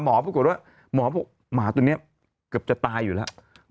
หมอบอกว่าหมาตัวนี้เกือบจะตายอยู่แล้ว